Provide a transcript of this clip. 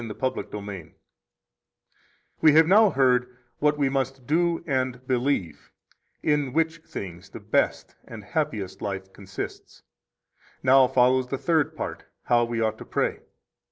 The Lord's Prayer 1 We have now heard what we must do and believe, in which things the best and happiest life consists. Now follows the third part, how we ought to pray.